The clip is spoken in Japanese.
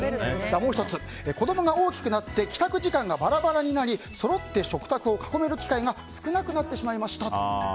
もう１つ、子供が大きくなって帰宅時間がバラバラになりそろって食卓を囲める機会が少なくなってしまいました。